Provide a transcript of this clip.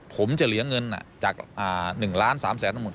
ผมจะเหลียงเงินจาก๑๓๐๐๐๐๐บาท